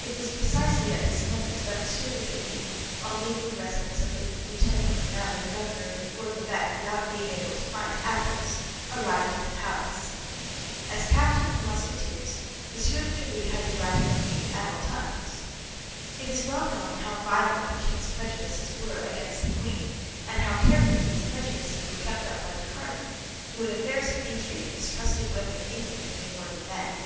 It was precisely at this moment that M. de Tréville, on leaving the residence of the lieutenant criminel and the governor of Fort l'Evêque without being able to find Athos, arrived at the palace. As captain of the Musketeers, M. de Tréville had the right of entry at all times. It is well known how violent the king's prejudices were against the queen, and how carefully these prejudices were kept up by the cardinal, who in affairs of intrigue mistrusted women infinitely more than men.